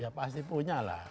ya pasti punya lah